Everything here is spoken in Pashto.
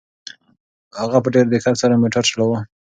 هغه په ډېر دقت سره موټر چلاوه.